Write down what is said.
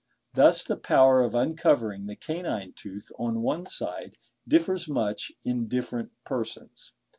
Thus the power of uncovering the canine tooth on one side differs much in different persons.